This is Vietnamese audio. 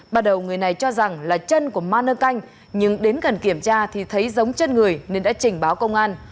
bắt đầu người này cho rằng là chân của man nơ canh nhưng đến gần kiểm tra thì thấy giống chân người nên đã trình báo công an